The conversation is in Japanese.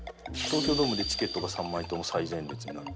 東京ドームでチケットが３枚とも最前列になる。